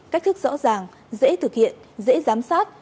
cách thức rõ ràng dễ thực hiện dễ giám sát